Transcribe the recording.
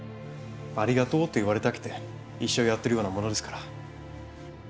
「ありがとう」と言われたくて医者をやっているようなものですから。